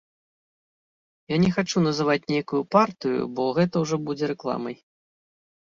Я не хачу называць нейкую партыю, бо гэта ўжо будзе рэкламай.